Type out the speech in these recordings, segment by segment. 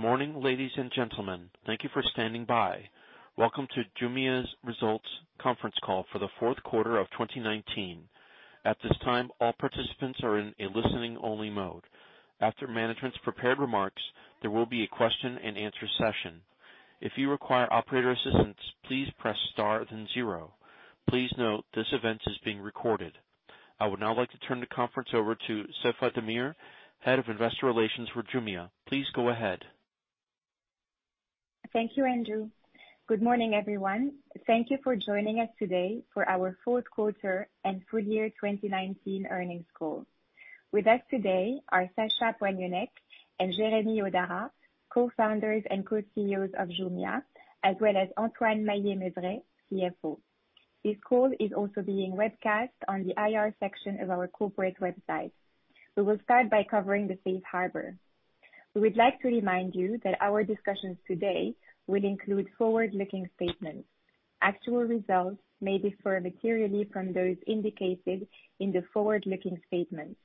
Good morning, ladies and gentlemen. Thank you for standing by. Welcome to Jumia's Results Conference Call for the Fourth Quarter of 2019. At this time, all participants are in a listening only mode. After management's prepared remarks, there will be a question and answer session. If you require Operator's assistance, please press star then zero. Please note this event is being recorded. I would now like to turn the conference over to Safae Damir, Head of Investor Relations for Jumia. Please go ahead. Thank you, Andrew. Good morning, everyone. Thank you for joining us today for our Fourth Quarter and Full Year 2019 Earnings Call. With us today are Sacha Poignonnec and Jeremy Hodara, Co-Founders and Co-CEOs of Jumia, as well as Antoine Maillet-Mezeray, CFO. This call is also being webcast on the IR section of our corporate website. We will start by covering the Safe Harbor. We would like to remind you that our discussions today will include forward-looking statements. Actual results may differ materially from those indicated in the forward-looking statements.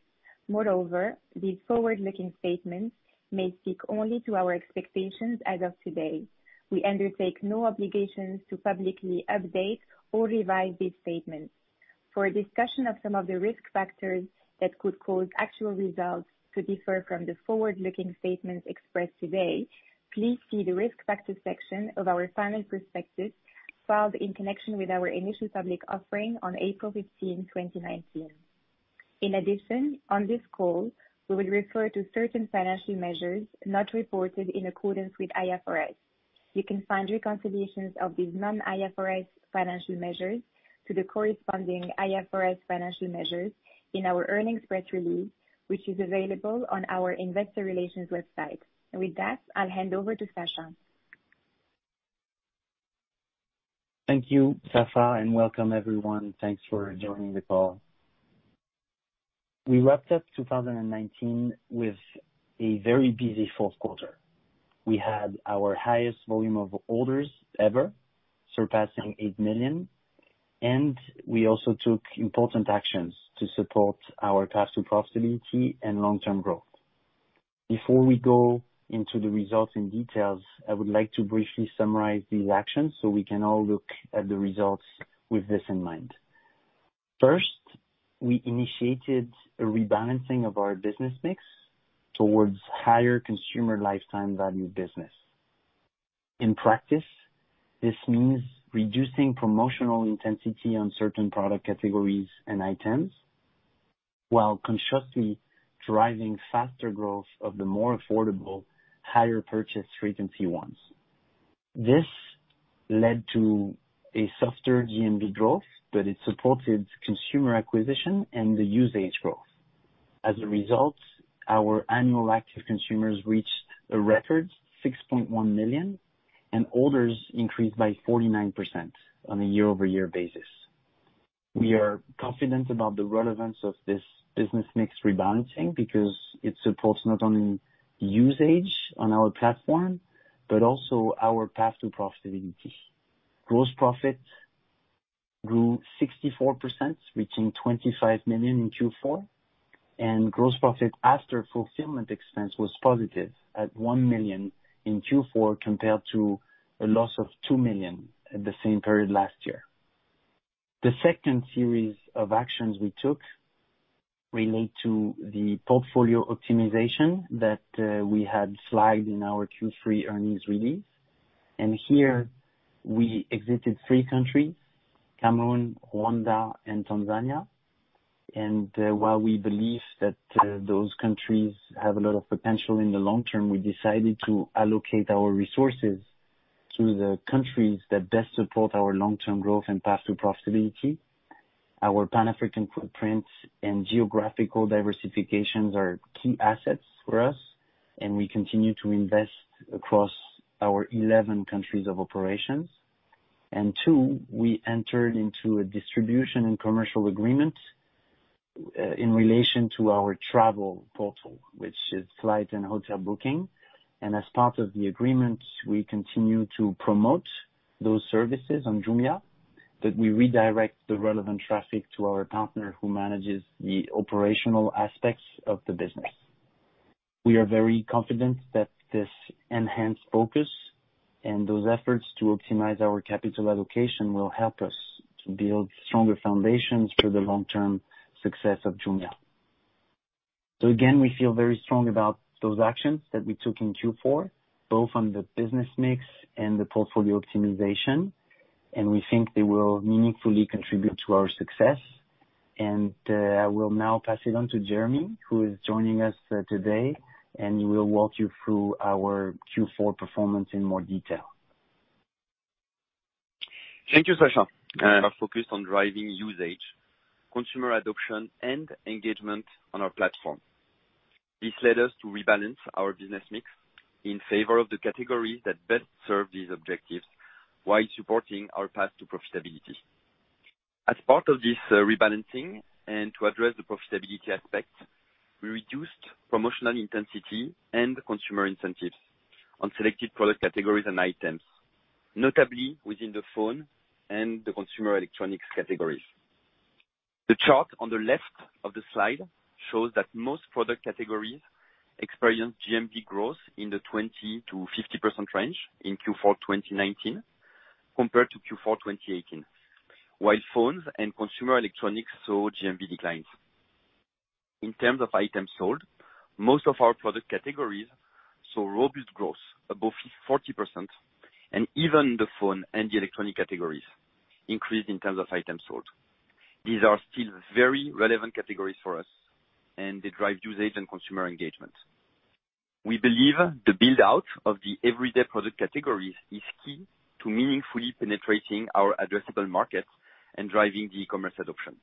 Moreover, these forward-looking statements may speak only to our expectations as of today. We undertake no obligations to publicly update or revise these statements. For a discussion of some of the risk factors that could cause actual results to differ from the forward-looking statements expressed today, please see the risk factor section of our final prospectus filed in connection with our initial public offering on April 15, 2019. In addition, on this call, we will refer to certain financial measures not reported in accordance with IFRS. You can find reconciliations of these non-IFRS financial measures to the corresponding IFRS financial measures in our earnings press release, which is available on our investor relations website. With that, I'll hand over to Sacha. Thank you, Safae, and welcome everyone. Thanks for joining the call. We wrapped up 2019 with a very busy fourth quarter. We had our highest volume of orders ever, surpassing 8 million, and we also took important actions to support our path to profitability and long-term growth. Before we go into the results in details, I would like to briefly summarize these actions so we can all look at the results with this in mind. First, we initiated a rebalancing of our business mix towards higher consumer lifetime value business. In practice, this means reducing promotional intensity on certain product categories and items, while consciously driving faster growth of the more affordable, higher purchase frequency ones. This led to a softer GMV growth, but it supported consumer acquisition and the usage growth. As a result, our Annual Active Consumers reached a record 6.1 million, and orders increased by 49% on a year-over-year basis. We are confident about the relevance of this business mix rebalancing because it supports not only usage on our platform but also our path to profitability. Gross profit grew 64%, reaching 25 million in Q4, and gross profit after fulfillment expense was positive at 1 million in Q4 compared to a loss of 2 million at the same period last year. The second series of actions we took relate to the portfolio optimization that we had slide in our Q3 earnings release, and here we exited three countries, Cameroon, Rwanda, and Tanzania. While we believe that those countries have a lot of potential in the long term, we decided to allocate our resources to the countries that best support our long-term growth and path to profitability. Our Pan-African footprint and geographical diversifications are key assets for us, and we continue to invest across our 11 countries of operations. And two, we entered into a distribution and commercial agreement in relation to our travel portal, which is flights and hotel booking. As part of the agreement, we continue to promote those services on Jumia, but we redirect the relevant traffic to our partner who manages the operational aspects of the business. We are very confident that this enhanced focus and those efforts to optimize our capital allocation will help us to build stronger foundations for the long-term success of Jumia. Again, we feel very strong about those actions that we took in Q4, both on the business mix and the portfolio optimization, and we think they will meaningfully contribute to our success. I will now pass it on to Jeremy, who is joining us today, and he will walk you through our Q4 performance in more detail. Thank you, Sacha. We are focused on driving usage, consumer adoption, and engagement on our platform. This led us to rebalance our business mix in favor of the categories that best serve these objectives while supporting our path to profitability. As part of this rebalancing and to address the profitability aspect, we reduced promotional intensity and consumer incentives on selected product categories and items, notably within the phone and the consumer electronics categories. The chart on the left of the slide shows that most product categories experienced GMV growth in the 20%-50% range in Q4 2019 compared to Q4 2018. While phones and consumer electronics saw GMV declines. In terms of Items Sold, most of our product categories saw robust growth above 40%, and even the phone and the electronic categories increased in terms of Items Sold. These are still very relevant categories for us, and they drive usage and consumer engagement. We believe the build-out of the everyday product categories is key to meaningfully penetrating our addressable market and driving the commerce adoption.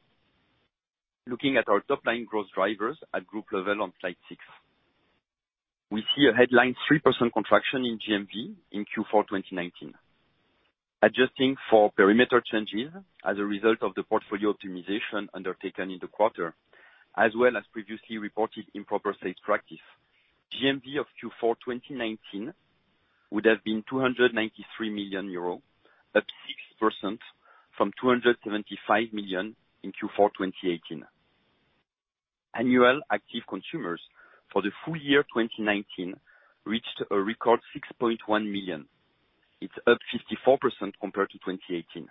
Looking at our top-line growth drivers at group level on Slide six. We see a headline 3% contraction in GMV in Q4 2019. Adjusting for perimeter changes as a result of the portfolio optimization undertaken in the quarter, as well as previously reported improper sales practice, GMV of Q4 2019 would have been 293 million euros, up 6% from 275 million in Q4 2018. Annual Active Consumers for the full year 2019 reached a record 6.1 million. It's up 54% compared to 2018.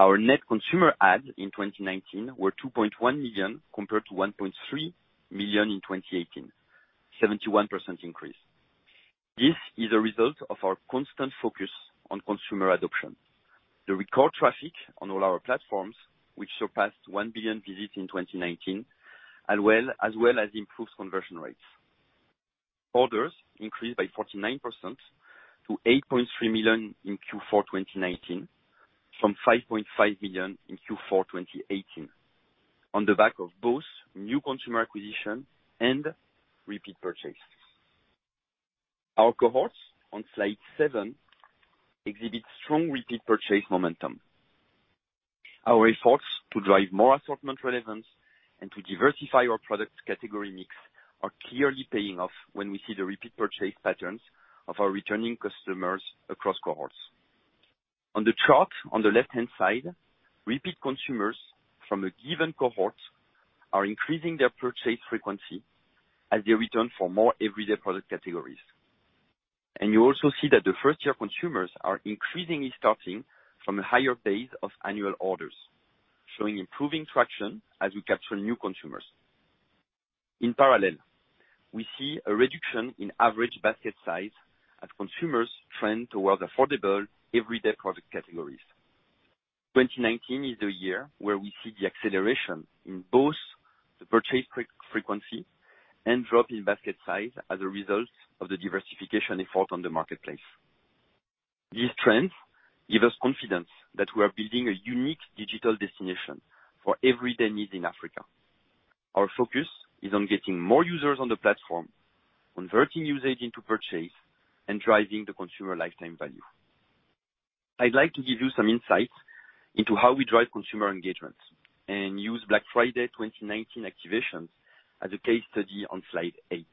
Our net consumer adds in 2019 were 2.1 million, compared to 1.3 million in 2018, 71% increase. This is a result of our constant focus on consumer adoption. The record traffic on all our platforms, which surpassed 1 billion visits in 2019, as well as improved conversion rates. Orders increased by 49% to 8.3 million in Q4 2019 from 5.5 million in Q4 2018, on the back of both new consumer acquisition and repeat purchase. Our cohorts on slide seven exhibit strong repeat purchase momentum. Our efforts to drive more assortment relevance and to diversify our product category mix are clearly paying off when we see the repeat purchase patterns of our returning customers across cohorts. The chart on the left-hand side, repeat consumers from a given cohort are increasing their purchase frequency as they return for more everyday product categories. You also see that the first-year consumers are increasingly starting from a higher base of annual orders, showing improving traction as we capture new consumers. In parallel, we see a reduction in average basket size as consumers trend towards affordable, everyday product categories. 2019 is the year where we see the acceleration in both the purchase frequency and drop in basket size as a result of the diversification effort on the marketplace. These trends give us confidence that we are building a unique digital destination for everyday needs in Africa. Our focus is on getting more users on the platform, converting usage into purchase, and driving the consumer lifetime value. I'd like to give you some insight into how we drive consumer engagement and use Black Friday 2019 activations as a case study on slide eight.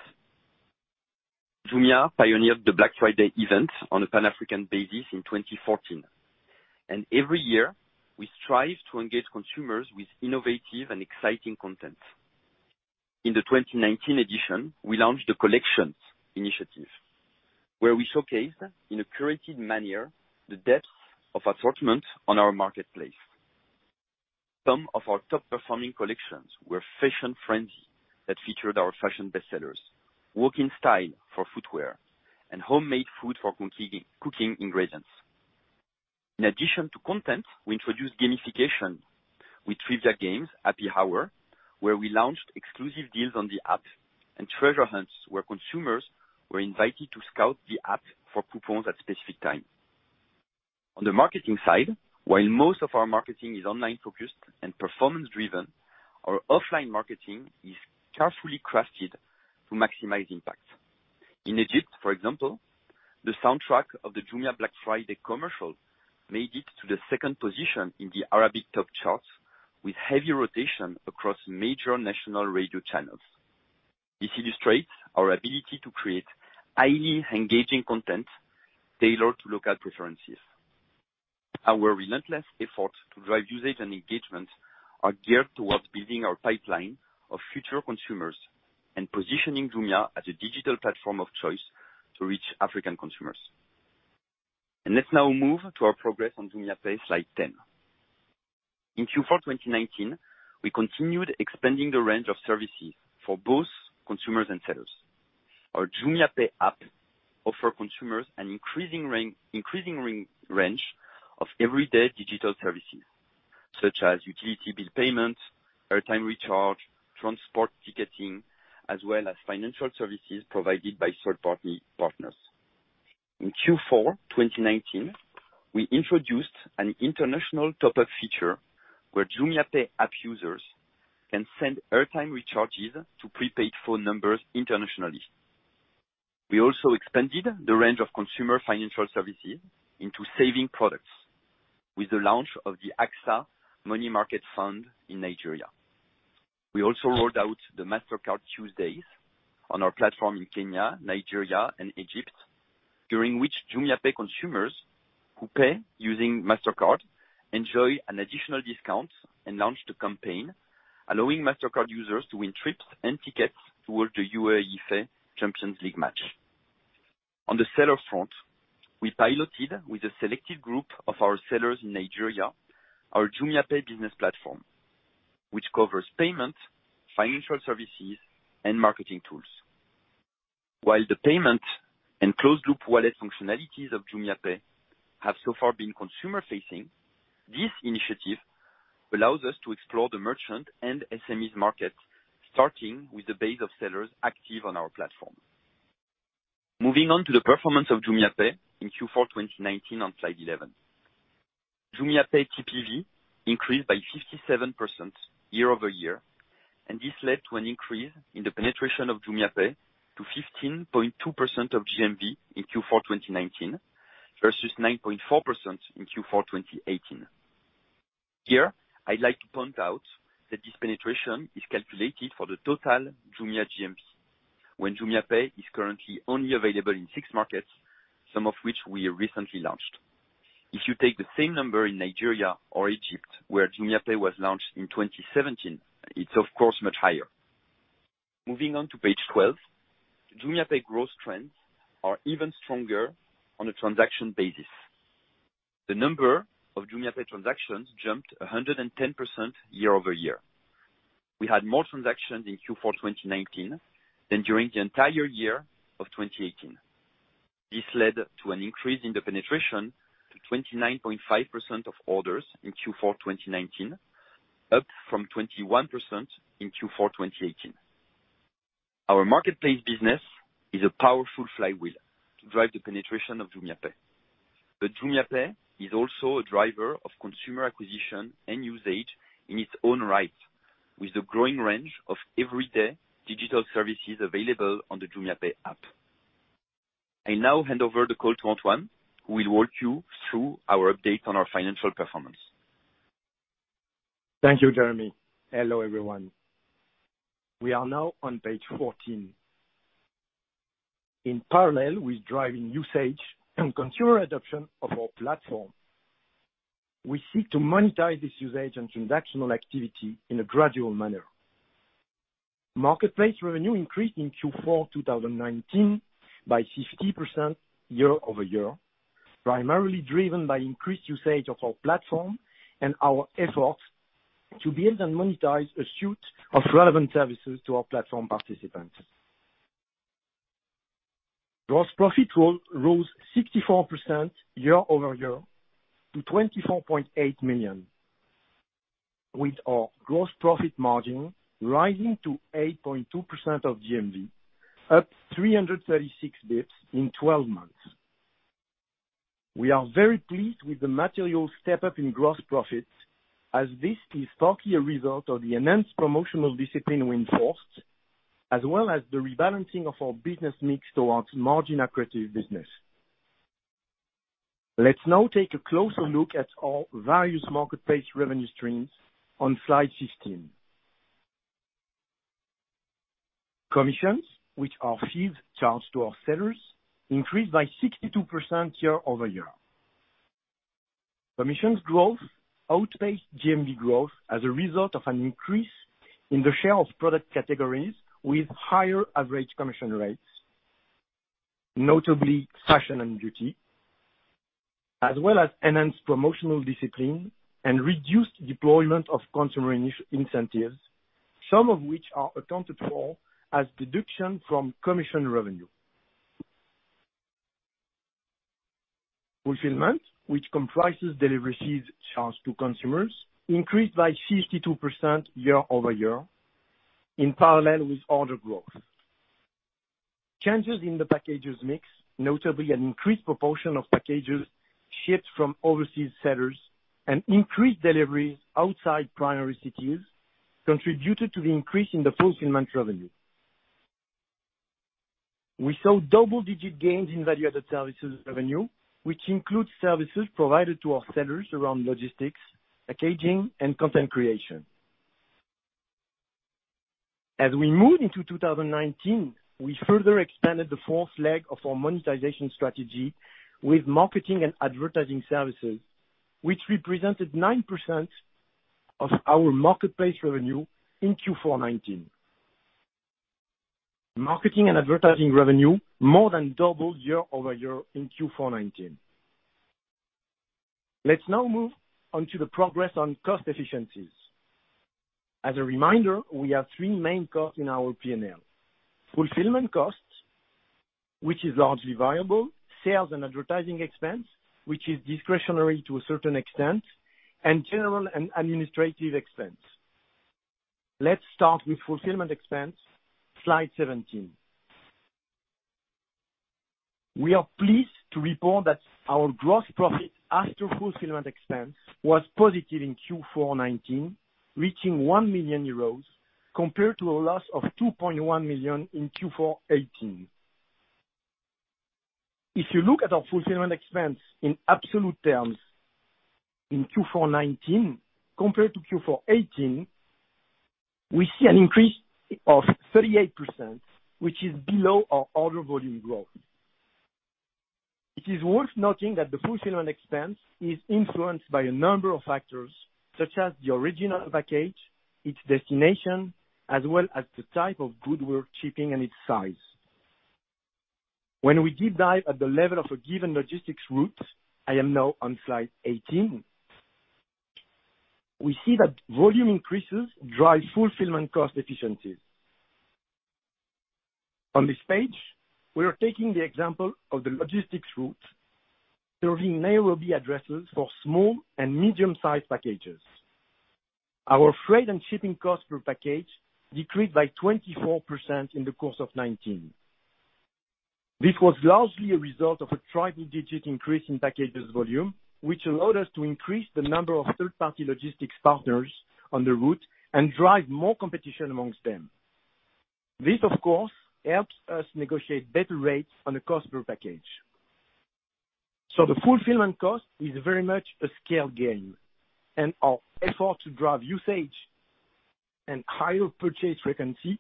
Jumia pioneered the Black Friday event on a Pan-African basis in 2014. Every year, we strive to engage consumers with innovative and exciting content. In the 2019 edition, we launched the collections initiative, where we showcased in a curated manner the depth of assortment on our marketplace. Some of our top-performing collections were Fashion Frenzy that featured our fashion bestsellers, Walk in Style for footwear, and Homemade Food for cooking ingredients. In addition to content, we introduced gamification with trivia games, Happy Hour, where we launched exclusive deals on the app, and Treasure Hunts where consumers were invited to scout the app for coupons at specific time. On the marketing side, while most of our marketing is online focused and performance driven, our offline marketing is carefully crafted to maximize impact. In Egypt, for example, the soundtrack of the Jumia Black Friday commercial made it to the second position in the Arabic top charts with heavy rotation across major national radio channels. This illustrates our ability to create highly engaging content tailored to local preferences. Our relentless efforts to drive usage and engagement are geared towards building our pipeline of future consumers and positioning Jumia as a digital platform of choice to reach African consumers. Let's now move to our progress on JumiaPay, slide 10. In Q4 2019, we continued expanding the range of services for both consumers and sellers. Our JumiaPay app offer consumers an increasing range of everyday digital services, such as utility bill payments, airtime recharge, transport ticketing, as well as financial services provided by third partners. In Q4 2019, we introduced an international top-up feature where JumiaPay app users can send airtime recharges to prepaid phone numbers internationally. We also expanded the range of consumer financial services into saving products with the launch of the AXA Money Market Fund in Nigeria. We also rolled out the Mastercard Tuesdays on our platform in Kenya, Nigeria, and Egypt, during which JumiaPay consumers who pay using Mastercard enjoy an additional discount and launch the campaign, allowing Mastercard users to win trips and tickets toward the UEFA Champions League match. On the seller front, we piloted with a selected group of our sellers in Nigeria, our JumiaPay business platform, which covers payment, financial services, and marketing tools. While the payment and closed-loop wallet functionalities of JumiaPay have so far been consumer-facing, this initiative allows us to explore the merchant and SMEs market, starting with the base of sellers active on our platform. Moving on to the performance of JumiaPay in Q4 2019 on slide 11. JumiaPay TPV increased by 57% year-over-year, this led to an increase in the penetration of JumiaPay to 15.2% of GMV in Q4 2019 versus 9.4% in Q4 2018. Here, I'd like to point out that this penetration is calculated for the total Jumia GMV, when JumiaPay is currently only available in six markets, some of which we recently launched. If you take the same number in Nigeria or Egypt, where JumiaPay was launched in 2017, it's of course much higher. Moving on to page 12. JumiaPay growth trends are even stronger on a transaction basis. The number of JumiaPay Transactions jumped 110% year-over-year. We had more transactions in Q4 2019 than during the entire year of 2018. This led to an increase in the penetration to 29.5% of orders in Q4 2019, up from 21% in Q4 2018. Our marketplace business is a powerful flywheel to drive the penetration of JumiaPay. The JumiaPay is also a driver of consumer acquisition and usage in its own right with the growing range of everyday digital services available on the JumiaPay app. I now hand over the call to Antoine, who will walk you through our update on our financial performance. Thank you, Jeremy. Hello, everyone. We are now on page 14. In parallel with driving usage and consumer adoption of our platform, we seek to monetize this usage and transactional activity in a gradual manner. Marketplace revenue increased in Q4 2019 by 50% year-over-year, primarily driven by increased usage of our platform and our efforts to build and monetize a suite of relevant services to our platform participants. Gross profit rose 64% year-over-year to 24.8 million, with our gross profit margin rising to 8.2% of GMV, up 336 basis points in 12 months. We are very pleased with the material step up in gross profit, as this is partly a result of the enhanced promotional discipline we enforced, as well as the rebalancing of our business mix towards margin-accretive business. Let's now take a closer look at our various marketplace revenue streams on slide 16. Commissions, which are fees charged to our sellers, increased by 62% year-over-year. Commissions growth outpaced GMV growth as a result of an increase in the share of product categories with higher average commission rates, notably Fashion and Beauty, as well as enhanced promotional discipline and reduced deployment of consumer incentives, some of which are accounted for as deduction from commission revenue. Fulfillment, which comprises delivery fees charged to consumers, increased by 52% year-over-year in parallel with order growth. Changes in the packages mix, notably an increased proportion of packages shipped from overseas sellers and increased deliveries outside primary cities, contributed to the increase in the fulfillment revenue. We saw double-digit gains in value-added services revenue, which includes services provided to our sellers around logistics, packaging, and content creation. As we moved into 2019, we further expanded the fourth leg of our Monetization strategy with Marketing & Advertising services, which represented 9% of our marketplace revenue in Q4 2019. Marketing & Advertising revenue more than doubled year-over-year in Q4 2019. Let's now move on to the progress on cost efficiencies. As a reminder, we have three main costs in our P&L. Fulfillment costs, which is largely variable, sales and advertising expense, which is discretionary to a certain extent, and general and administrative expense. Let's start with fulfillment expense, slide 17. We are pleased to report that our gross profit after fulfillment expense was positive in Q4 2019, reaching 1 million euros, compared to a loss of 2.1 million in Q4 2018. If you look at our fulfillment expense in absolute terms in Q4 2019 compared to Q4 2018, we see an increase of 38%, which is below our order volume growth. It is worth noting that the fulfillment expense is influenced by a number of factors such as the original package, its destination, as well as the type of good we're shipping and its size. When we deep dive at the level of a given logistics route, I am now on slide 18, we see that volume increases drive fulfillment cost efficiencies. On this page, we are taking the example of the logistics route, serving Nairobi addresses for small and medium-sized packages. Our freight and shipping cost per package decreased by 24% in the course of 2019. This was largely a result of a triple-digit increase in packages volume, which allowed us to increase the number of third-party logistics partners on the route and drive more competition amongst them. This, of course, helps us negotiate better rates on a cost per package. The fulfillment cost is very much a scale game, and our effort to drive usage and higher purchase frequency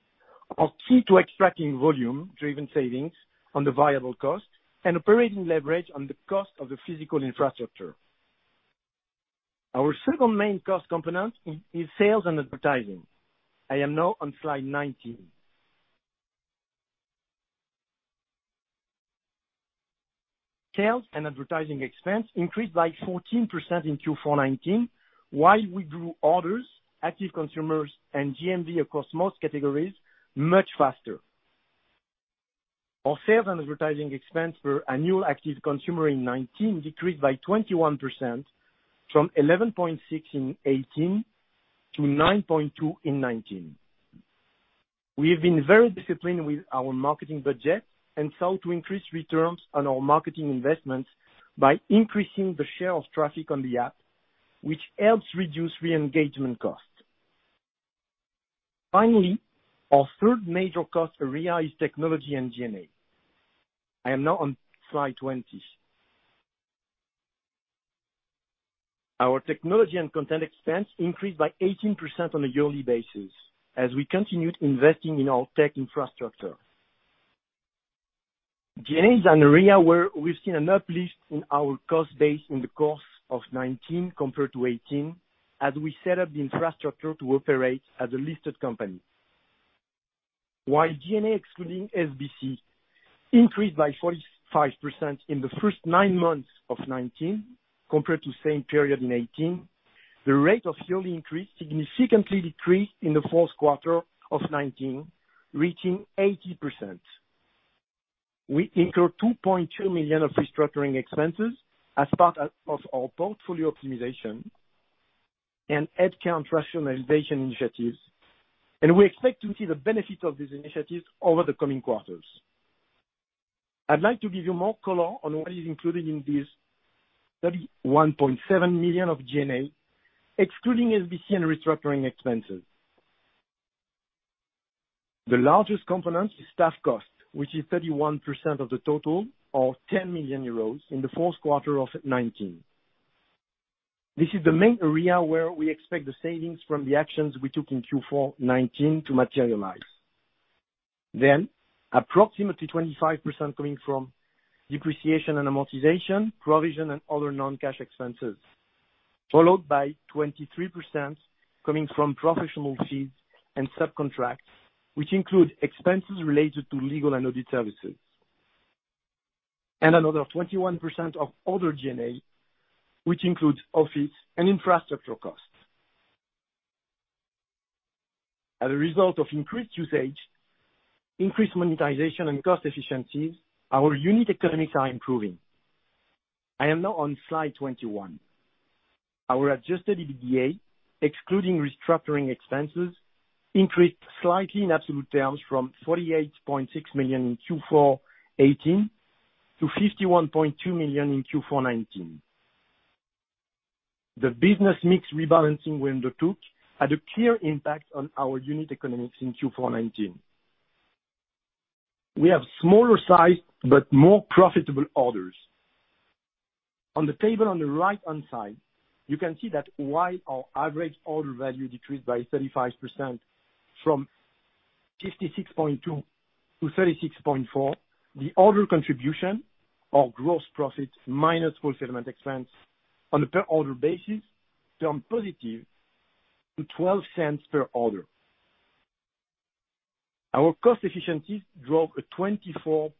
are key to extracting volume-driven savings on the variable cost and operating leverage on the cost of the physical infrastructure. Our second main cost component is sales and advertising. I am now on slide 19. Sales and advertising expense increased by 14% in Q4 2019, while we grew orders, active consumers, and GMV across most categories much faster. Our sales and advertising expense per Annual Active Consumer in 2019 decreased by 21%, from 11.6 in 2018 to 9.2 in 2019. We have been very disciplined with our marketing budget and sought to increase returns on our marketing investments by increasing the share of traffic on the app, which helps reduce re-engagement costs. Our third major cost area is technology and G&A. I am now on slide 20. Our technology and content expense increased by 18% on a yearly basis as we continued investing in our tech infrastructure. G&A is an area where we've seen an uplift in our cost base in the course of 2019 compared to 2018, as we set up the infrastructure to operate as a listed company. While G&A, excluding SBC, increased by 45% in the first nine months of 2019 compared to the same period in 2018, the rate of yearly increase significantly decreased in the fourth quarter of 2019, reaching 80%. We incurred 2.2 million of restructuring expenses as part of our portfolio optimization and headcount rationalization initiatives. We expect to see the benefit of these initiatives over the coming quarters. I'd like to give you more color on what is included in this 31.7 million of G&A, excluding SBC and restructuring expenses. The largest component is staff cost, which is 31% of the total, or 10 million euros in the fourth quarter of 2019. This is the main area where we expect the savings from the actions we took in Q4 2019 to materialize. Approximately 25% coming from depreciation and amortization, provision, and other non-cash expenses, followed by 23% coming from professional fees and subcontracts, which include expenses related to legal and audit services. Another 21% of other G&A, which includes office and infrastructure costs. As a result of increased usage, increased monetization, and cost efficiencies, our unit economics are improving. I am now on slide 21. Our Adjusted EBITDA, excluding restructuring expenses, increased slightly in absolute terms from 48.6 million in Q4 2018 to 51.2 million in Q4 2019. The business mix rebalancing we undertook had a clear impact on our unit economics in Q4 2019. We have smaller size, but more profitable orders. On the table on the right-hand side, you can see that while our average order value decreased by 35%, from 56.2 to 36.4, the order contribution of gross profits minus fulfillment expense on a per order basis turned positive to 0.12 per order. Our cost efficiencies drove a 24%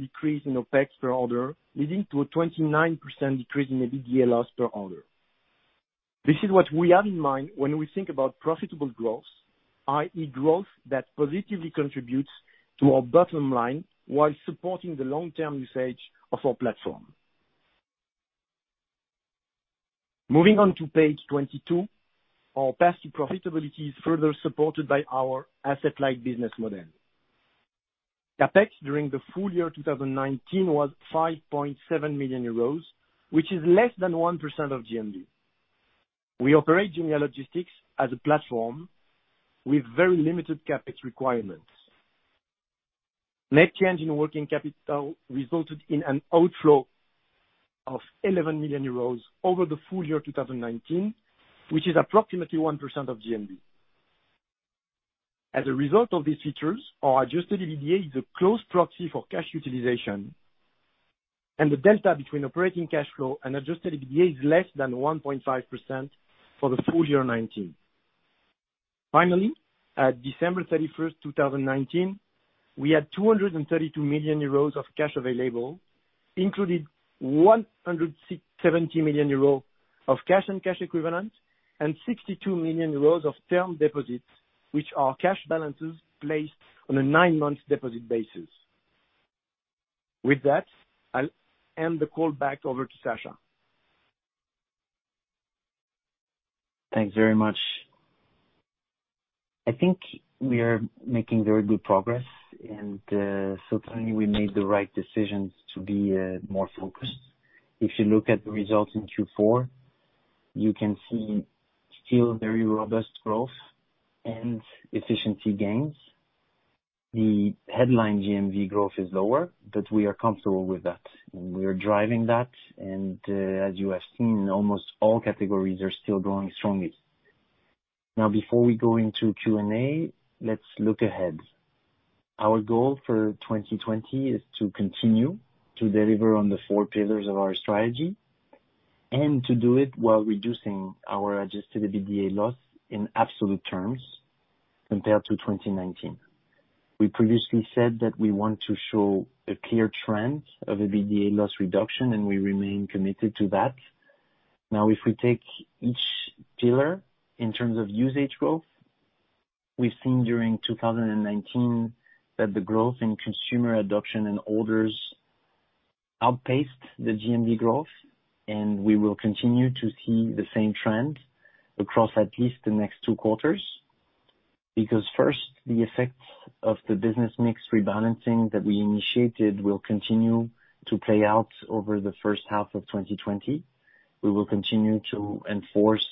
decrease in OpEx per order, leading to a 29% decrease in the EBITDA per order. This is what we have in mind when we think about profitable growth, i.e., growth that positively contributes to our bottom line while supporting the long-term usage of our platform. Moving on to page 22, our path to profitability is further supported by our asset-light business model. CapEx during the full year 2019 was 5.7 million euros, which is less than 1% of GMV. We operate Jumia Logistics as a platform with very limited CapEx requirements. Net change in working capital resulted in an outflow of 11 million euros over the full year 2019, which is approximately 1% of GMV. As a result of these features, our adjusted EBITDA is a close proxy for cash utilization, and the delta between operating cash flow and Adjusted EBITDA is less than 1.5% for the full year 2019. Finally, at December 31st, 2019, we had 232 million euros of cash available, including 170 million of cash and cash equivalents and 62 million euros of term deposits, which are cash balances placed on a nine-month deposit basis. With that, I'll hand the call back over to Sacha. Thanks very much. I think we are making very good progress and certainly we made the right decisions to be more focused. If you look at the results in Q4, you can see still very robust growth and efficiency gains. The headline GMV growth is lower, we are comfortable with that, and we are driving that. As you have seen, almost all categories are still growing strongly. Before we go into Q&A, let's look ahead. Our goal for 2020 is to continue to deliver on the four pillars of our strategy and to do it while reducing our Adjusted EBITDA loss in absolute terms compared to 2019. We previously said that we want to show a clear trend of EBITDA loss reduction, we remain committed to that. Now, if we take each pillar in terms of usage growth, we've seen during 2019 that the growth in consumer adoption and orders outpaced the GMV growth, and we will continue to see the same trend across at least the next two quarters. Because, first, the effects of the business mix rebalancing that we initiated will continue to play out over the first half of 2020. We will continue to enforce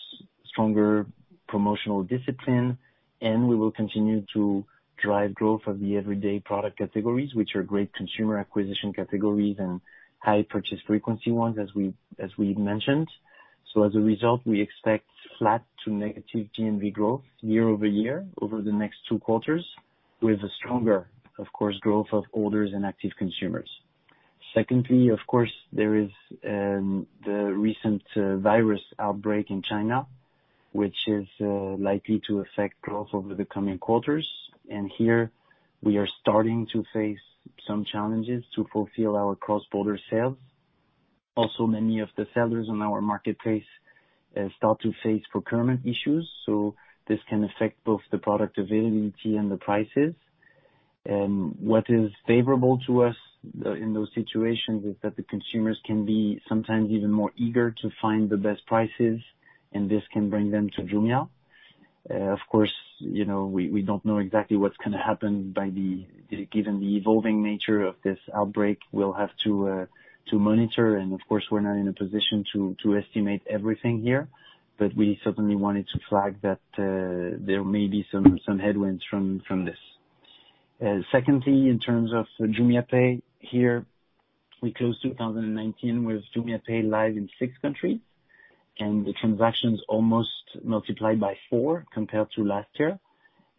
stronger promotional discipline, and we will continue to drive growth of the everyday product categories, which are great consumer acquisition categories and high purchase frequency ones, as we mentioned. As a result, we expect flat to negative GMV growth year-over-year over the next two quarters with a stronger, of course, growth of orders and active consumers. Secondly, of course, there is the recent virus outbreak in China, which is likely to affect growth over the coming quarters. Here we are starting to face some challenges to fulfill our cross-border sales. Also, many of the sellers on our marketplace start to face procurement issues, so this can affect both the product availability and the prices. What is favorable to us in those situations is that the consumers can be sometimes even more eager to find the best prices, and this can bring them to Jumia. Of course, we don't know exactly what's going to happen given the evolving nature of this outbreak. We'll have to monitor, and of course, we're not in a position to estimate everything here, but we certainly wanted to flag that there may be some headwinds from this. Secondly, in terms of JumiaPay, here we closed 2019 with JumiaPay live in six countries, the transactions almost multiplied by four compared to last year.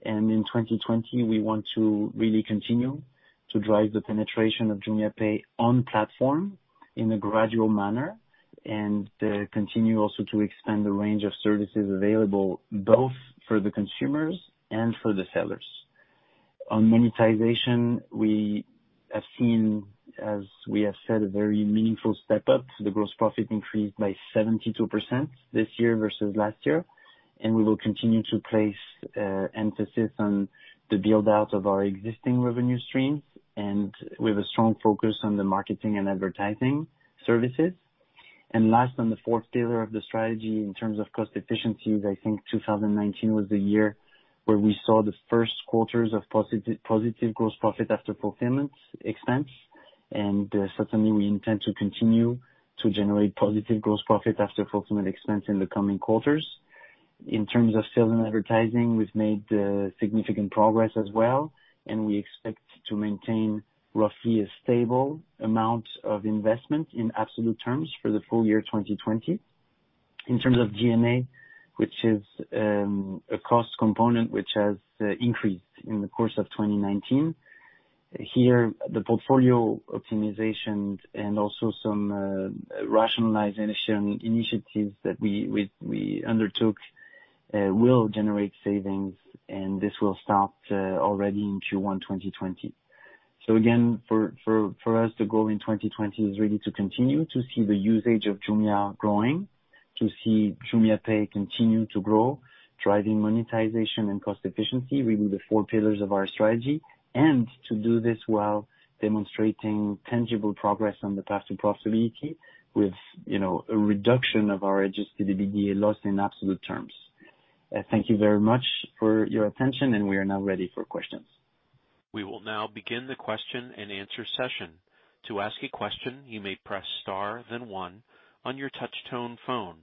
In 2020, we want to really continue to drive the penetration of JumiaPay on platform in a gradual manner and continue also to expand the range of services available both for the consumers and for the sellers. On monetization, we have seen, as we have said, a very meaningful step up. The gross profit increased by 72% this year versus last year. We will continue to place emphasis on the build-out of our existing revenue streams and with a strong focus on the Marketing & Advertising services. Last, on the fourth pillar of the strategy in terms of cost efficiencies, I think 2019 was the year where we saw the first quarters of positive gross profit after fulfillment expense. Certainly, we intend to continue to generate positive gross profit after fulfillment expense in the coming quarters. In terms of sales and advertising, we've made significant progress as well, and we expect to maintain roughly a stable amount of investment in absolute terms for the full year 2020. In terms of G&A, which is a cost component which has increased in the course of 2019, here the portfolio optimization and also some rationalization initiatives that we undertook will generate savings, and this will start already in Q1 2020. So, again, for us, the goal in 2020 is really to continue to see the usage of Jumia growing, to see JumiaPay continue to grow, driving monetization and cost efficiency, really the four pillars of our strategy, and to do this while demonstrating tangible progress on the path to profitability with a reduction of our Adjusted EBITDA loss in absolute terms. Thank you very much for your attention, and we are now ready for questions. We will now begin the question and answer session. To ask a question, you may press star then one on your touch-tone phone.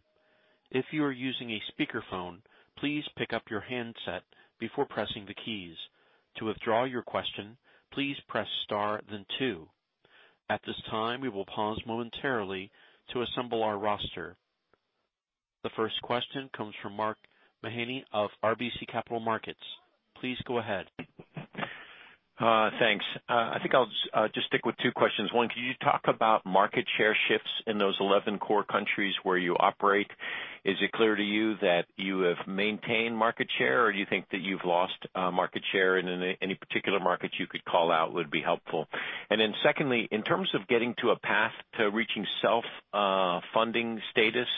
If you are using a speakerphone, please pick up your handset before pressing the keys. To withdraw your question, please press star then two. At this time, we will pause momentarily to assemble our roster. The first question comes from Mark Mahaney of RBC Capital Markets. Please go ahead. Thanks. I think I'll just stick with two questions. One, could you talk about market share shifts in those 11 core countries where you operate? Is it clear to you that you have maintained market share, or do you think that you've lost market share? Any particular market you could call out would be helpful. Secondly, in terms of getting to a path to reaching self-funding status.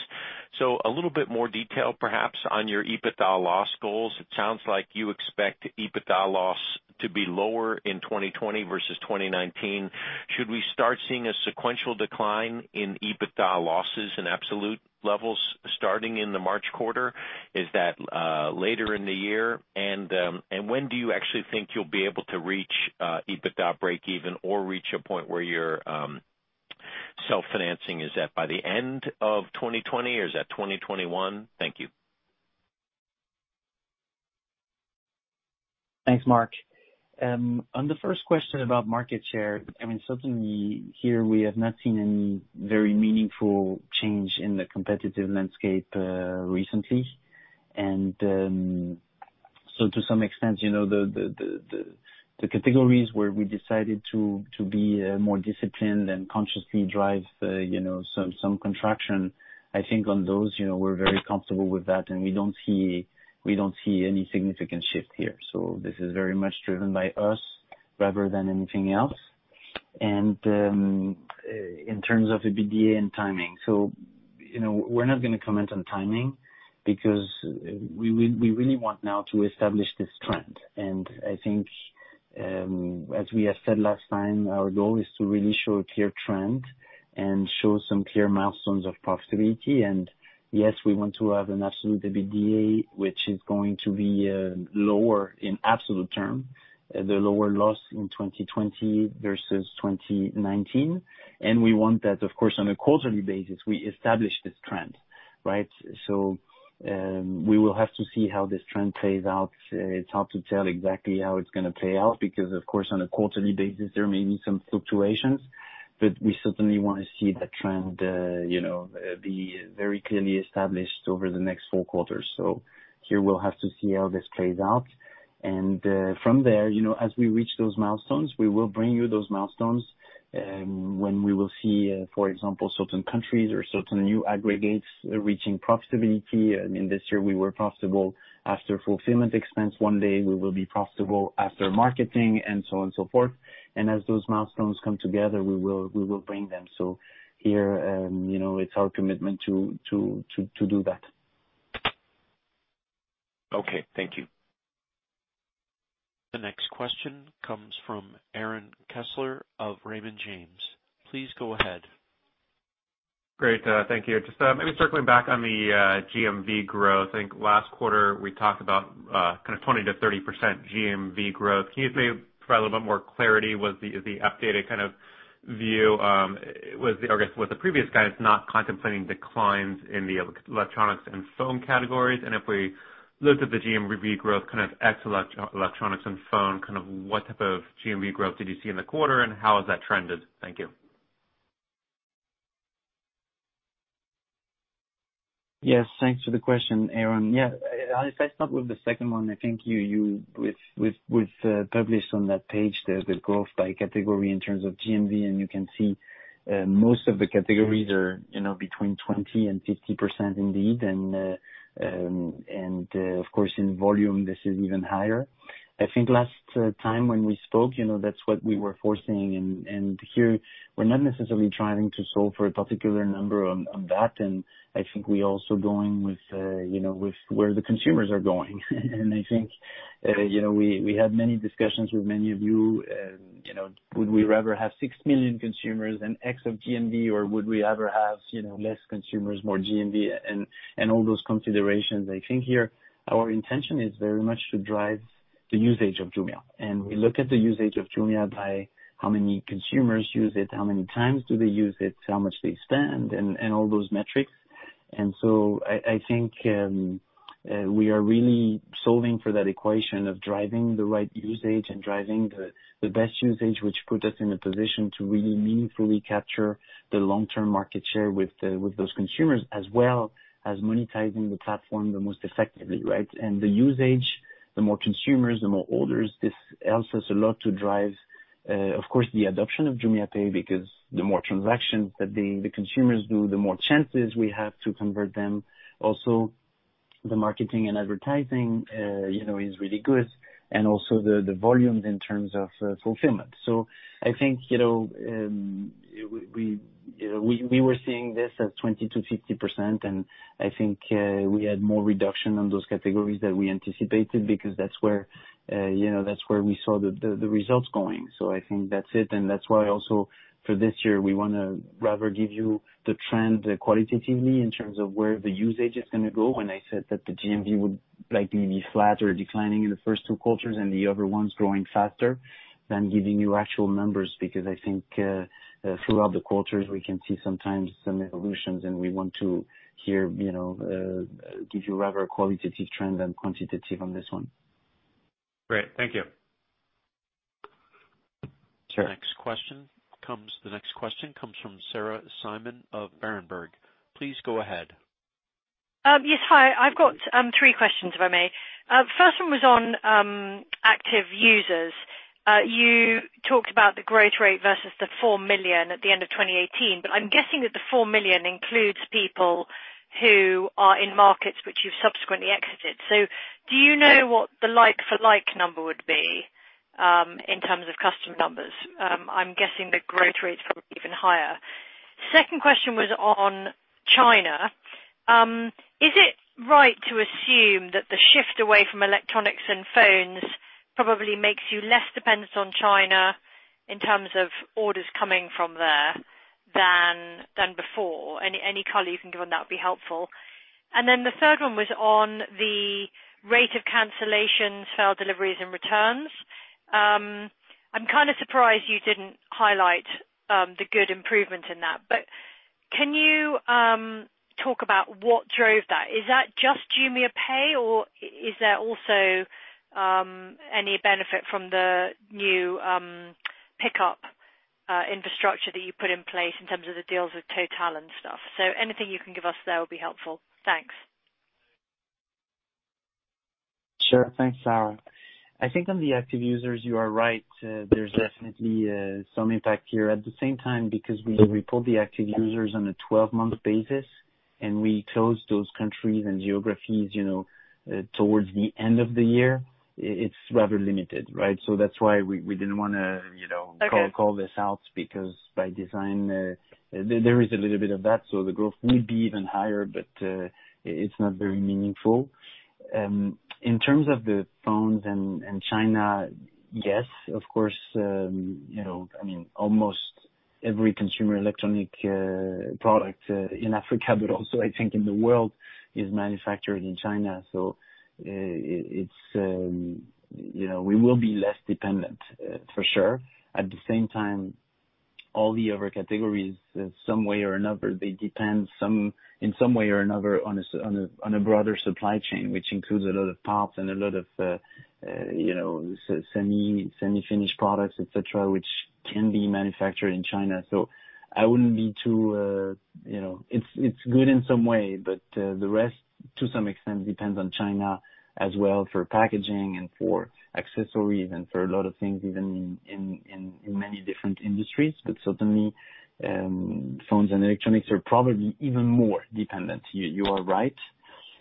A little bit more detail perhaps on your EBITDA loss goals. It sounds like you expect EBITDA loss to be lower in 2020 versus 2019. Should we start seeing a sequential decline in EBITDA losses in absolute levels starting in the March quarter? Is that later in the year? When do you actually think you'll be able to reach EBITDA breakeven or reach a point where you're self-financing? Is that by the end of 2020 or is that 2021? Thank you. Thanks, Mark. On the first question about market share, certainly here, we have not seen any very meaningful change in the competitive landscape recently. To some extent, the categories where we decided to be more disciplined and consciously drive some contraction, I think on those, we're very comfortable with that, and we don't see any significant shift here. This is very much driven by us rather than anything else. In terms of EBITDA and timing, we're not going to comment on timing because we really want now to establish this trend. I think, as we have said last time, our goal is to really show a clear trend and show some clear milestones of profitability. Yes, we want to have an absolute EBITDA, which is going to be lower in absolute term, the lower loss in 2020 versus 2019. We want that, of course, on a quarterly basis, we establish this trend, right? So, we will have to see how this trend plays out. It is hard to tell exactly how it is going to play out because, of course, on a quarterly basis, there may be some fluctuations. We certainly want to see the trend be very clearly established over the next four quarters. Here we will have to see how this plays out. From there, as we reach those milestones, we will bring you those milestones, when we will see, for example, certain countries or certain new aggregates reaching profitability. I mean, this year we were profitable after fulfillment expense. One day we will be profitable after marketing and so on and so forth. As those milestones come together, we will bring them. Here, it is our commitment to do that. Okay. Thank you. The next question comes from Aaron Kessler of Raymond James. Please go ahead. Great. Thank you. Just maybe circling back on the GMV growth. I think last quarter we talked about 20%-30% GMV growth. Can you just maybe provide a little bit more clarity? Was the updated kind of view, was the previous guidance not contemplating declines in the electronics and phone categories? If we looked at the GMV growth, kind of ex-electronics and phone, what type of GMV growth did you see in the quarter, and how has that trended? Thank you. Yes. Thanks for the question, Aaron. Yeah. If I start with the second one, I think, you-- you.. We've published on that page the growth by category in terms of GMV, and you can see most of the categories are between 20% and 50% indeed. Of course, in volume, this is even higher. I think last time when we spoke, that's what we were foreseeing. And here, we're not necessarily trying to solve for a particular number on that. I think we're also going with where the consumers are going. I think we had many discussions with many of you, and, you know, would we rather have 6 million consumers and X of GMV, or would we rather have less consumers, more GMV, and all those considerations. I think here our intention is very much to drive the usage of Jumia. We look at the usage of Jumia by how many consumers use it, how many times do they use it, how much they spend, and all those metrics. I think we are really solving for that equation of driving the right usage and driving the best usage, which put us in a position to really meaningfully capture the long-term market share with those consumers, as well as monetizing the platform the most effectively. Right. The usage, the more consumers, the more orders. This helps us a lot to drive, of course, the adoption of JumiaPay because the more transactions that the consumers do, the more chances we have to convert them. Also, the Marketing & Advertising is really good, and also the volume in terms of fulfillment. I think, you know, we were seeing this as 20%-50%, and I think we had more reduction on those categories that we anticipated because that's where we saw the results going. I think that's it. That's why also for this year, we want to rather give you the trend qualitatively in terms of where the usage is going to go when I said that the GMV would likely be flat or declining in the first two quarters and the other ones growing faster than giving you actual numbers. I think throughout the quarters we can see sometimes some evolutions, and we want to give you rather qualitative trends than quantitative on this one. Great. Thank you. The next question comes from Sarah Simon of Berenberg. Please go ahead. Yes. Hi. I've got three questions, if I may. First one was on active users. You talked about the growth rate versus the 4 million at the end of 2018, but I'm guessing that the 4 million includes people who are in markets which you've subsequently exited. Do you know what the like-for-like number would be in terms of customer numbers? I'm guessing the growth rate's probably even higher. Second question was on China. Is it right to assume that the shift away from electronics and phones probably makes you less dependent on China in terms of orders coming from there than before? Any color you can give on that would be helpful. And then the third one was on the rate of cancellations, failed deliveries, and returns. I'm kinda surprised you didn't highlight the good improvement in that. Can you talk about what drove that? Is that just JumiaPay or is there also any benefit from the new pickup infrastructure that you put in place in terms of the deals with Total and stuff? Anything you can give us there will be helpful. Thanks. Sure. Thanks, Sarah. I think on the active users, you are right. There is definitely some impact here. At the same time, because we report the active users on a 12-month basis, and we close those countries and geographies towards the end of the year, it is rather limited, right? Okay. So that's why we-- we didn't wanna, you know, call this out because by design, there is a little bit of that. The growth would be even higher, but it's not very meaningful. In terms of the phones and China, yes, of course, almost every consumer electronic product in Africa, but also I think in the world, is manufactured in China. We will be less dependent, for sure. At the same time, all the other categories, in some way or another, they depend on a broader supply chain, which includes a lot of parts and a lot of semi-finished products, et cetera, which can be manufactured in China. It's good in some way, but the rest, to some extent, depends on China as well for packaging and for accessories and for a lot of things, even in many different industries. Certainly, phones and electronics are probably even more dependent. You are right.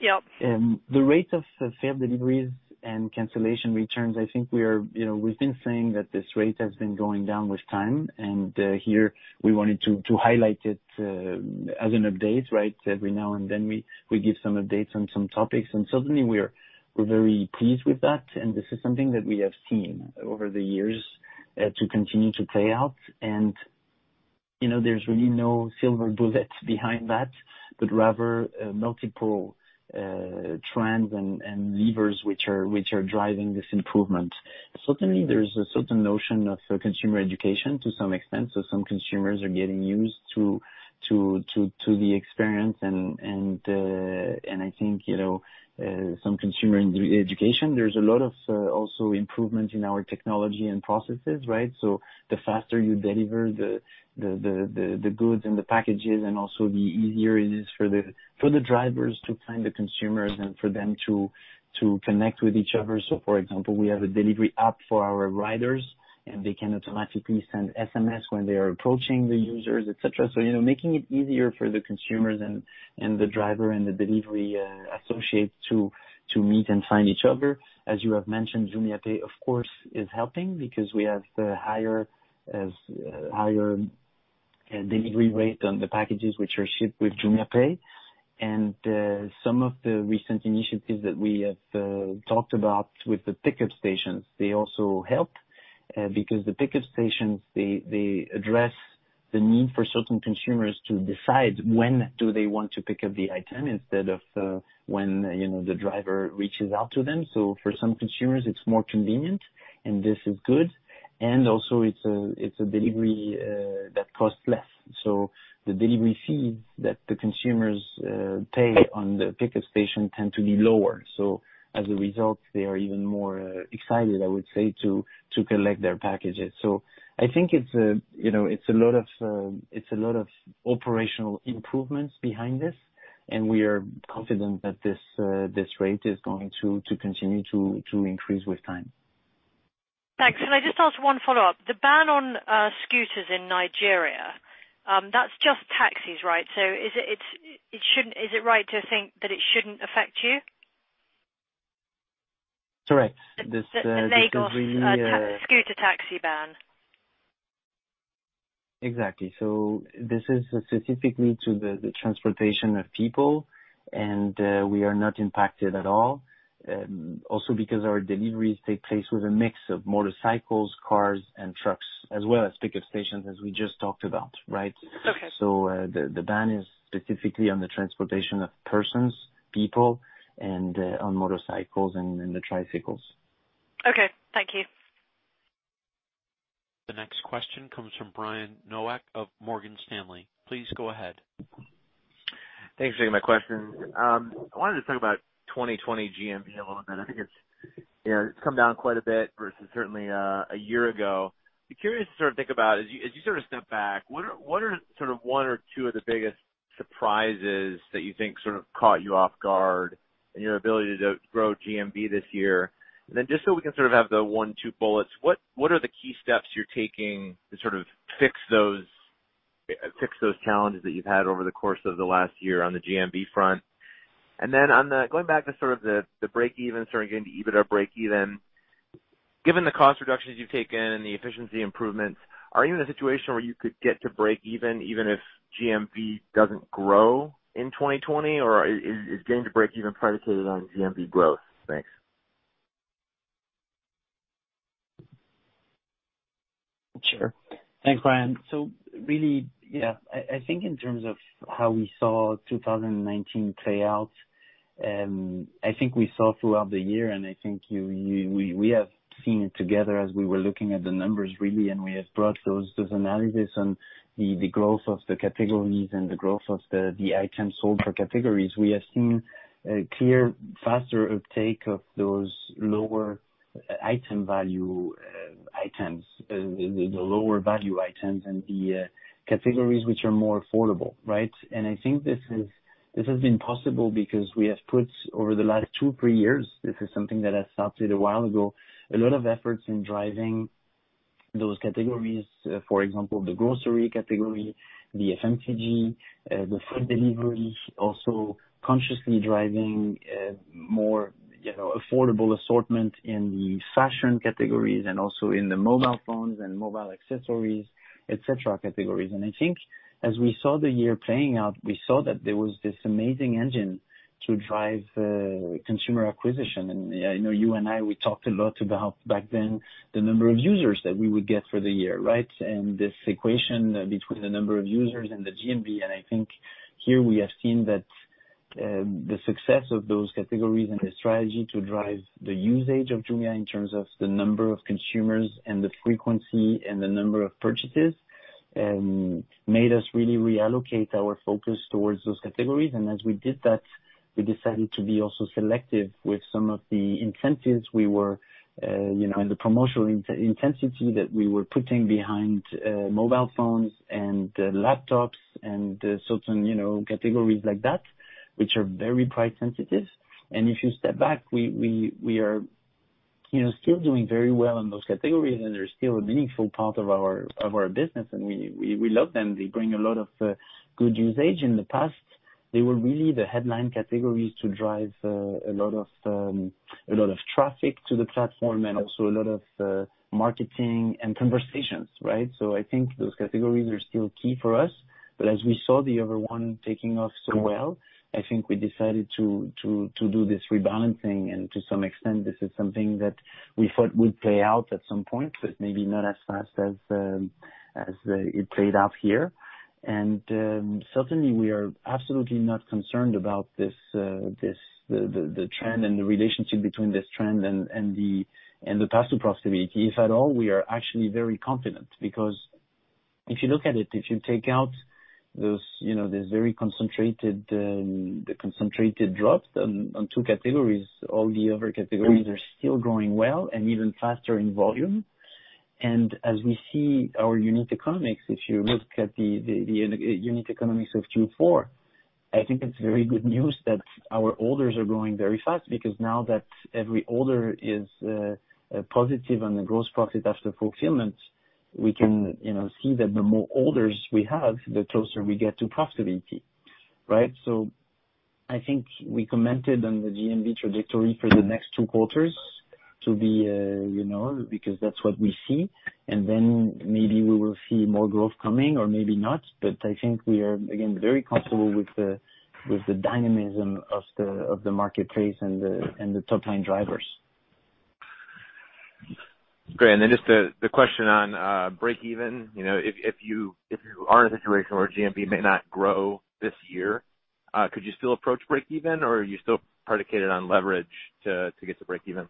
Yep. The rate of failed deliveries and cancellation returns, I think we've been saying that this rate has been going down with time, and here we wanted to highlight it as an update. Every now and then, we give some updates on some topics, and certainly, we're very pleased with that, and this is something that we have seen over the years to continue to play out. There's really no silver bullet behind that, but rather multiple trends and levers which are driving this improvement. Certainly, there's a certain notion of consumer education to some extent. Some consumers are getting used to the experience and I think, some consumer education. There's a lot of also improvement in our technology and processes. The faster you deliver the goods and the packages and also the easier it is for the drivers to find the consumers and for them to connect with each other. For example, we have a delivery app for our riders, and they can automatically send SMS when they are approaching the users, et cetera. Making it easier for the consumers and the driver and the delivery associates to meet and find each other. As you have mentioned, JumiaPay, of course, is helping because we have a higher delivery rate on the packages which are shipped with JumiaPay. Some of the recent initiatives that we have talked about with the pickup stations, they also help, because the pickup stations, they address the need for certain consumers to decide when do they want to pick up the item instead of when the driver reaches out to them. For some consumers, it's more convenient, and this is good, and also it's a delivery that costs less. The delivery fees that the consumers pay on the pickup station tend to be lower. As a result, they are even more excited, I would say, to collect their packages. I think it's a, you know, I think it's a lot of operational improvements behind this, and we are confident that this rate is going to continue to increase with time. Thanks. Can I just ask one follow-up? The ban on scooters in Nigeria, that's just taxis, right? Is it right to think that it shouldn't affect you? That's correct. This doesn't really- The Lagos scooter taxi ban. Exactly. This is specifically to the transportation of people, and we are not impacted at all. Because our deliveries take place with a mix of motorcycles, cars, and trucks, as well as pickup stations, as we just talked about. Okay. The ban is specifically on the transportation of persons, people, and on motorcycles and the tricycles. Okay. Thank you. The next question comes from Brian Nowak of Morgan Stanley. Please go ahead. Thanks for taking my question. I wanted to talk about 2020 GMV a little bit. I think it's come down quite a bit versus certainly a year ago. Be curious to think about, as you step back, what are one or two of the biggest surprises that you think caught you off guard in your ability to grow GMV this year? Just so we can have the one, two bullets, what are the key steps you're taking to fix those challenges that you've had over the course of the last year on the GMV front? Then going back to the breakeven, starting getting to EBITDA breakeven, given the cost reductions you've taken and the efficiency improvements, are you in a situation where you could get to breakeven even if GMV doesn't grow in 2020, or is getting to breakeven predicated on GMV growth? Thanks. Sure. Thanks, Brian. Really, yeah, I think in terms of how we saw 2019 play out, I think we saw throughout the year, and I think we have seen it together as we were looking at the numbers, really, and we have brought those analyses and the growth of the categories and the growth of the Items Sold for categories. We have seen a clear, faster uptake of those lower item value items, the lower value items and the categories which are more affordable, right? I think this has been possible because we have put over the last two, three years, this is something that has started a while ago, a lot of efforts in driving those categories. For example, the grocery category, the FMCG, and the Food Delivery, also consciously driving a more affordable assortment in the fashion categories and also in the mobile phones and mobile accessories, et cetera, categories. I think as we saw the year playing out, we saw that there was this amazing engine to drive consumer acquisition. I know you and I, we talked a lot about back then, the number of users that we would get for the year, right? This equation between the number of users and the GMV, I think here we have seen that the success of those categories and the strategy to drive the usage of Jumia in terms of the number of consumers and the frequency and the number of purchases, made us really reallocate our focus towards those categories. And as we did that, we decided to be also selective with some of the incentives we were, and the promotional intensity that we were putting behind mobile phones and laptops and certain categories like that, which are very price sensitive. If you step back, we are still doing very well in those categories, and they are still a meaningful part of our business, and we love them. They bring a lot of good usage. In the past, they were really the headline categories to drive a lot of traffic to the platform and also a lot of marketing and conversations, right? I think those categories are still key for us. As we saw the other one taking off so well, I think we decided to do this rebalancing, and to some extent, this is something that we thought would play out at some point, but maybe not as fast as it played out here. Certainly, we are absolutely not concerned about the trend and the relationship between this trend and the path to profitability. If at all, we are actually very confident because if you look at it, if you take out those very concentrated drops on two categories, all the other categories are still growing well and even faster in volume. As we see our unit economics, if you look at the unit economics of Q4, I think it's very good news that our orders are growing very fast because now that every order is positive on the gross profit after fulfillment, we can, you know, see that the more orders we have, the closer we get to profitability. Right? I think we commented on the GMV trajectory for the next two quarters, because that's what we see, maybe we will see more growth coming or maybe not. I think we are, again, very comfortable with the dynamism of the marketplace and the top-line drivers. Great. Just the question on breakeven. If you are in a situation where GMV may not grow this year, could you still approach breakeven, or are you still predicated on leverage to get to breakeven?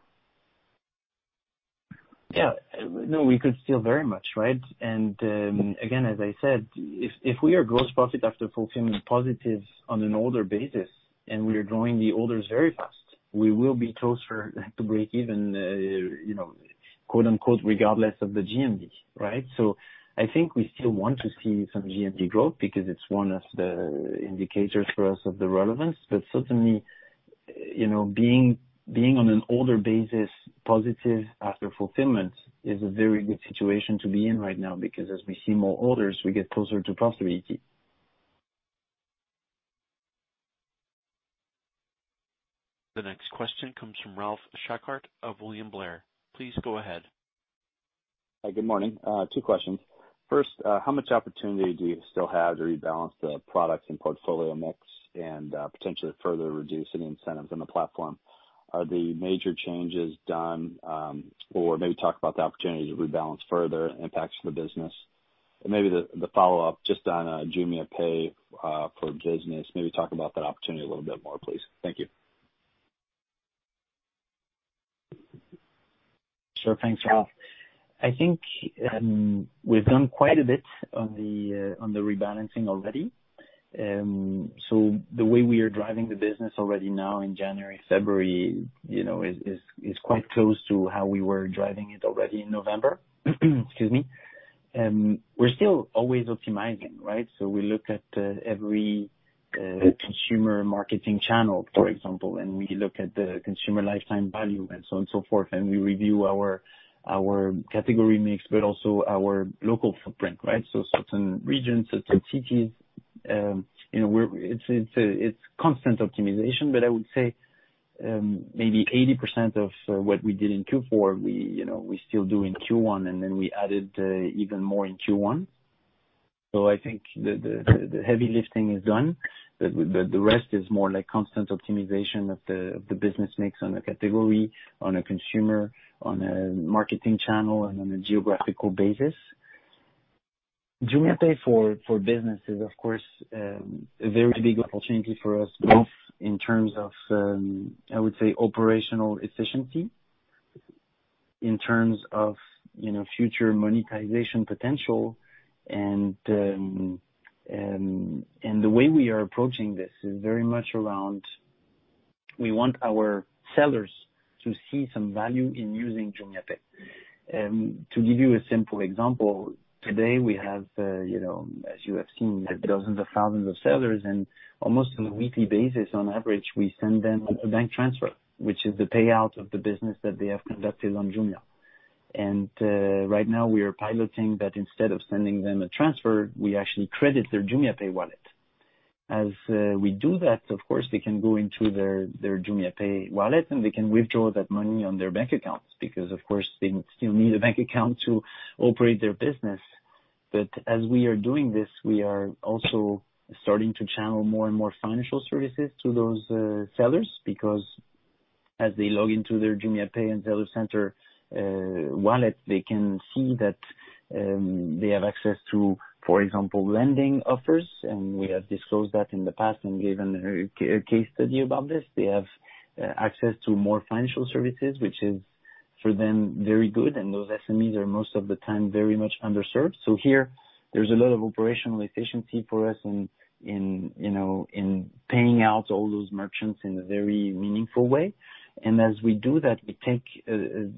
No, we could still very much, right? Again, as I said, if we are gross profit after fulfillment positive on an order basis, and we are growing the orders very fast, we will be closer to breakeven, you know, quote-unquote "regardless" of the GMV, right? I think we still want to see some GMV growth because it's one of the indicators for us of the relevance. Certainly, you know, being-- being on an order basis positive after fulfillment is a very good situation to be in right now, because as we see more orders, we get closer to profitability. The next question comes from Ralph Schackart of William Blair. Please go ahead. Hi, good morning. Two questions. First, how much opportunity do you still have to rebalance the products and portfolio mix and potentially further reduce any incentives on the platform? Are the major changes done? Maybe talk about the opportunity to rebalance further impacts for the business. Maybe the follow-up just on JumiaPay for business, maybe talk about that opportunity a little bit more, please. Thank you. Sure. Thanks, Ralph. I think we've done quite a bit on the rebalancing already. The way we are driving the business already now in January, February, is quite close to how we were driving it already in November, excuse me. We're still always optimizing, right? We look at every consumer marketing channel, for example, and we look at the consumer lifetime value and so on and so forth, and we review our category mix, but also our local footprint, right? Certain regions, certain cities. It's constant optimization. I would say, maybe 80% of what we did in Q4 we still do in Q1, and then we added even more in Q1. I think the heavy lifting is done. The rest is more constant optimization of the business mix on a category, on a consumer, on a marketing channel, and on a geographical basis. JumiaPay for businesses, of course, a very big opportunity for us both in terms of, I would say, operational efficiency, in terms of future monetization potential. The way we are approaching this is very much around. We want our sellers to see some value in using JumiaPay. To give you a simple example, today we have, as you have seen, dozens of thousands of sellers, and almost on a weekly basis, on average, we send them a bank transfer, which is the payout of the business that they have conducted on Jumia. Right now, we are piloting that instead of sending them a transfer, we actually credit their JumiaPay wallet. As we do that, of course, they can go into their JumiaPay wallet, and they can withdraw that money on their bank accounts, because, of course, they still need a bank account to operate their business. As we are doing this, we are also starting to channel more and more financial services to those sellers, because as they log into their JumiaPay and seller center wallet, they can see that they have access to, for example, lending offers, and we have disclosed that in the past and given a case study about this. They have access to more financial services, which is, for them, very good, and those SMEs are, most of the time, very much underserved. Here, there's a lot of operational efficiency for us in paying out all those merchants in a very meaningful way. And as we do that, we take a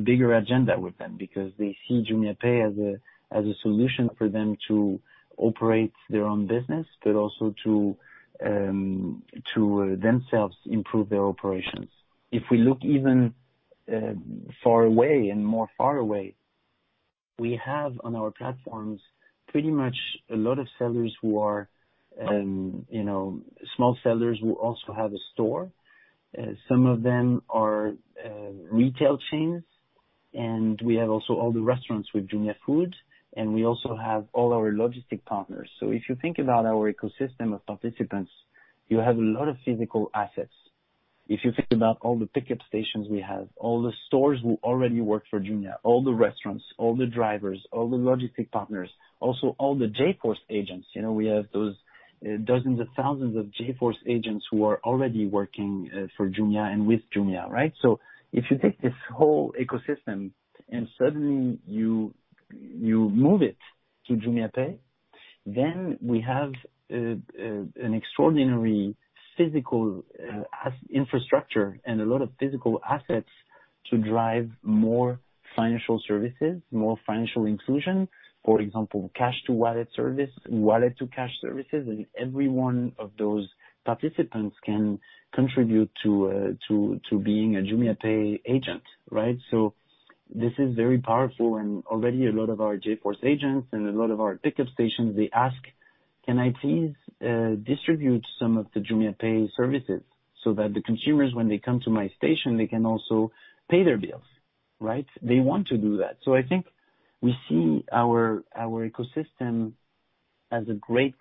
bigger agenda with them because they see JumiaPay as a solution for them to operate their own business, but also to themselves improve their operations. If we look even far away and more far away, we have on our platforms pretty much a lot of sellers who are small sellers who also have a store. Some of them are retail chains, and we have also all the restaurants with Jumia Food, and we also have all our logistic partners. If you think about our ecosystem of participants, you have a lot of physical assets. If you think about all the pickup stations we have, all the stores who already work for Jumia, all the restaurants, all the drivers, all the logistic partners, also all the JForce agents. You know, we have those dozens of thousands of JForce agents who are already working for Jumia and with Jumia, right? So, if you take this whole ecosystem and suddenly you move it to JumiaPay, we have an extraordinary physical infrastructure and a lot of physical assets to drive more financial services, more financial inclusion. For example, cash-to-wallet service, wallet-to-cash services, and every one of those participants can contribute to being a JumiaPay agent, right? So, this is very powerful, and already a lot of our JForce agents, and a lot of our pickup stations, they ask "Can i please distribute some of the JumiaPay services, so that the consumers when they come to my station, they can also pay their bills", right? They want to do that. So I think we see our ecosystem as a great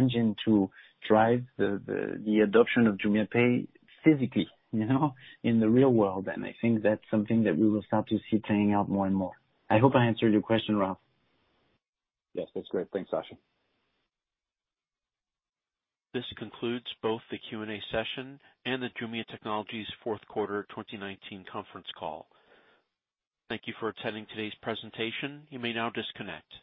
engine to drive the adoption of JumiaPay physically, in the real world. I think that's something that we will start to see playing out more and more. I hope I answered your question, Ralph. Yes. That's great. Thanks, Sacha. This concludes both the Q&A session and the Jumia Technologies fourth quarter 2019 conference call. Thank you for attending today's presentation. You may now disconnect.